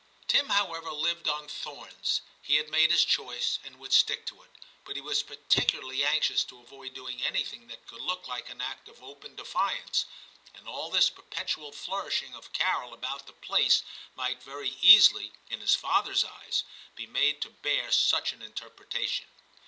Tim, however, lived on thorns ; he had made his choice and would stick to it, but he was particularly anxious to avoid doing anything that could look like an act of open defiance, and all this perpetual flourishing of Carol about the place might very easily, in his father's eyes, be made to bear such an interpretation.